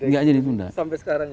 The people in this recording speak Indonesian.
gak jadi sampai sekarang